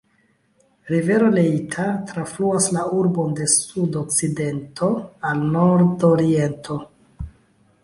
Rivero Leitha trafluas la urbon de sud-okcidento al nord-oriento.